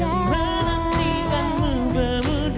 yang sesuai menentikanmu pemuda